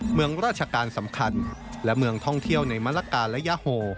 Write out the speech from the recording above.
เมืองราชการสำคัญและเมืองท่องเที่ยวในมะละกาและยาโฮ